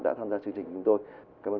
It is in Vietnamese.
đã tham gia chương trình cùng tôi cảm ơn